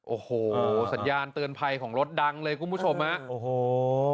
โอ้โหสัญญาณเตือนภัยของรถดังเลยคุณผู้ชมฮะโอ้โห